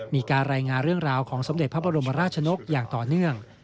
มีการรายงานเรื่องราวของสมเด็จพระบรมราชนกอย่างต่อเนื่อง